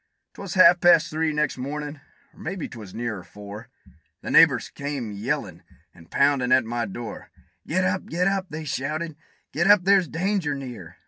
'Twas half past three next mornin', or maybe 'twas nearer four The neighbors they came a yellin' and poundin' at my door; "Get up! get up!" they shouted: "get up! there's danger near!